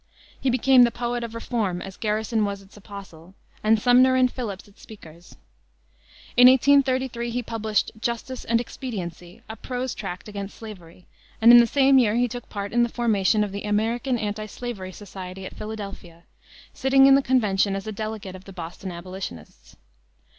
He became the poet of the reform as Garrison was its apostle, and Sumner and Phillips its speakers. In 1833 he published Justice and Expediency, a prose tract against slavery, and in the same year he took part in the formation of the American Antislavery Society at Philadelphia, sitting in the convention as a delegate of the Boston Abolitionists.